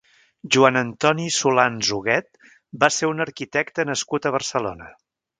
Joan Antoni Solans Huguet va ser un arquitecte nascut a Barcelona.